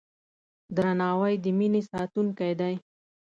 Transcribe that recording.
درناوی د مینې ساتونکی دی.